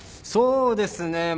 そうですね。